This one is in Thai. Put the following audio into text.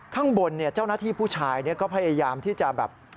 ข้างบนเจ้าหน้าที่ผู้ชายก็พยายามที่จะแบบ